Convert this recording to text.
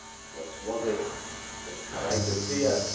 What was it ? What had I to fear